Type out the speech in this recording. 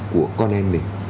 của con em mình